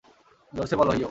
জোরসে বলো হেইয়ো!